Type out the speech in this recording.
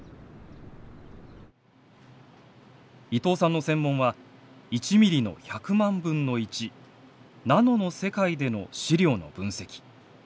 伊藤さんの専門は１ミリの１００万分の１「ナノ」の世界での試料の分析。